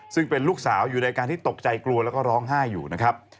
ซึ่งเป็นลูกสาวอยู่ในการที่ตกใจกลัวแล้วก็ร้องไห้อยู่นะครับ